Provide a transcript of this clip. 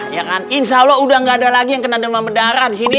ya kan insya allah udah gak ada lagi yang kena demam berdarah di sini